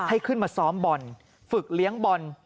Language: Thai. ให้ขึ้นมาซ้อมบอลฝึกเลี้ยงบอล